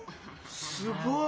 すごい！